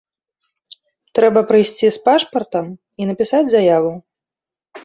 Трэба прыйсці з пашпартам і напісаць заяву.